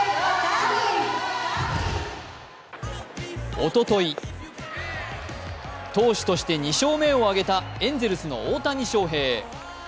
おととい投手として２勝目を挙げたエンゼルスの大谷翔平。